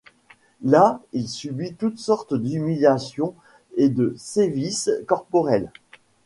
Là, il subit toutes sortes d'humiliations et de sévices corporels.